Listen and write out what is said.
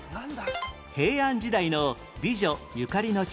平安時代の美女ゆかりの地